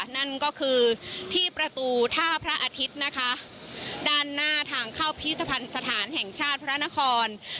นั่นก็คือที่ประตูท่าพระอาทิตย์นะคะด้านหน้าทางเข้าพิธภัณฑ์สถานแห่งชาติพระนคร